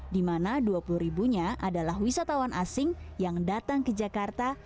di mana dua puluh ribunya adalah wisatawan asing yang datang ke jakarta